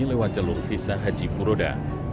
lewat jalur visa haji furoda